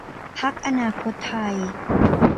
พรรคอนาคตไทย